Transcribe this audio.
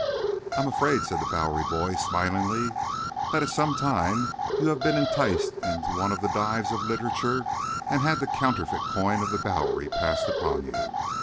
"I am afraid," said the Bowery boy, smilingly, "that at some time you have been enticed into one of the dives of literature and had the counterfeit coin of the Bowery passed upon you.